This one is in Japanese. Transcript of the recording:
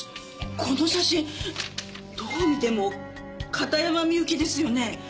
この写真どう見ても片山みゆきですよね。